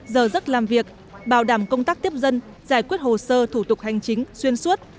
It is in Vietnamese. giờ rất làm việc bảo đảm công tác tiếp dân giải quyết hồ sơ thủ tục hành chính xuyên suốt